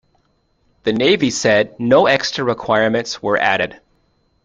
The Navy said no extra requirements were added.